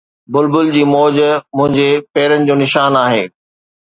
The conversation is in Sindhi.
بلبل جي موج منهنجي پيرن جو نشان آهي